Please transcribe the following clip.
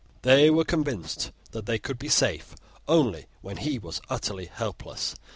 They were convinced that they could be safe only when he was utterly helpless.